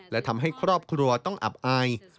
และทำให้ครอบครัวต้องอับอาย